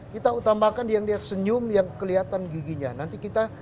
kita tambahkan yang dia senyum yang kelihatan giginya